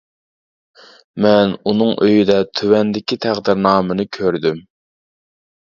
مەن ئۇنىڭ ئۆيىدە تۆۋەندىكى تەقدىرنامىنى كۆردۈم.